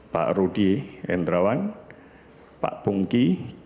pak rudi pak punggi